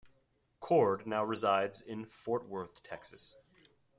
Cord now resides in Fort Worth, Texas.